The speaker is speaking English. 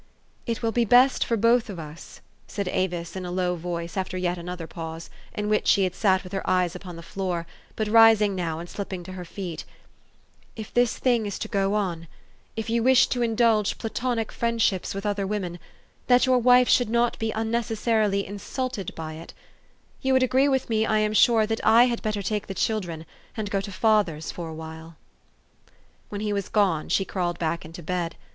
" It will be best for both of us," said Avis in a low voice, after yet another pause, in which she had sat with her eyes upon the floor, but rising now, and slipping to her feet, " if this thing is to go on, if you wish to indulge platonic friendships with other women, that your wife should not be unnecessarily insulted by it ; you would agree with me, I am sure, that I had better take the children, and go to father's for awhile." When he was gone, she crawled back into bed.